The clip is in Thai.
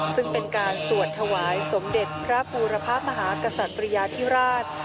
ซึ่งเป็นการสวดถวายสมเด็จพระบูรพะมหากษัตริยาธิราช